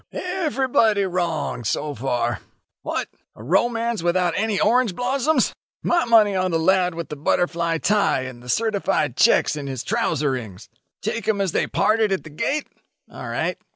"Everybody wrong so far. What! a romance without any orange blossoms! Ho, ho! My money on the lad with the butterfly tie and the certified checks in his trouserings. "Take 'em as they parted at the gate? All right.